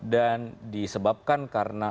dan disebabkan karena